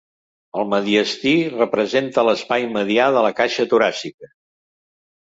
El mediastí representa l'espai medià de la caixa toràcica.